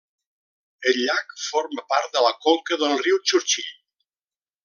El llac forma part de la conca del riu Churchill.